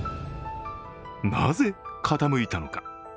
なぜ傾いたのか。